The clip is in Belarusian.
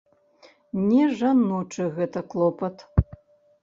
Не жаночы гэта клопат.